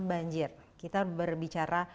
banjir kita berbicara